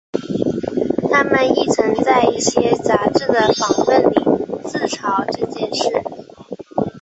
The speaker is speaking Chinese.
他们亦曾在一些杂志的访问里自嘲这件事。